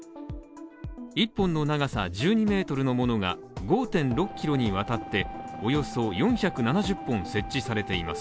１本の長さ１２メートルのものが５．６キロにわたっておよそ４７０本設置されています